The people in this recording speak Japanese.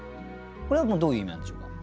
これはどういう意味なんでしょうか？